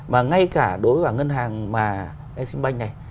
mà ngay cả đối với ngân hàng mà exxon bank này